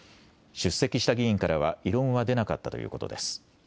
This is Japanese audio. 出席した議員からは異論は出なかったということです。